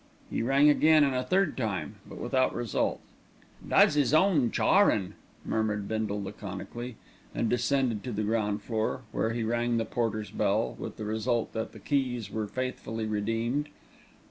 He rang again, and a third time, but without result. "Does 'is own charin'," murmured Bindle laconically, and descended to the ground floor, where he rang the porter's bell, with the result that the keys were faithfully redeemed.